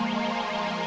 mendingan tati simpen